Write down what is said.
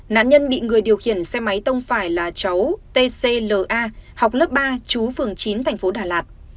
nạn nhân bị người điều khiển xe máy tông phải là cháu t c l a học lớp ba chú phường chín thành phố đà lạt